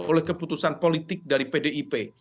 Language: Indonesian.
oleh keputusan politik dari pdip